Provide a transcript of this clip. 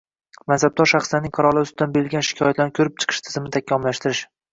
mansabdor shaxslarning qarorlari ustidan berilgan shikoyatlarni ko‘rib chiqish tizimini takomillashtirish